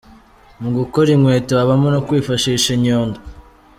Mu gukora inkweto habamo no kwifashisha inyundo.